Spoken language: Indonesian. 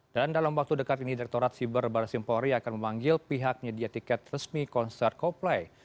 dan dalam waktu dekat ini dektorat siber barasimpori akan memanggil pihak menyedia tiket resmi konser coldplay